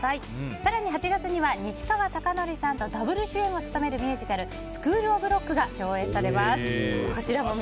更に８月には西川貴教さんとダブル主演を務めるミュージカル「スクールオブロック」が上演されます。